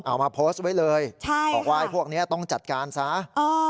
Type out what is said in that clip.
เอามาโพสต์ไว้เลยใช่บอกว่าไอ้พวกเนี้ยต้องจัดการซะอ่า